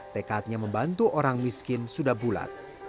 tekadnya membantu orang miskin sudah bulat